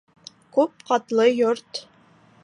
Күп ҡатлы йорт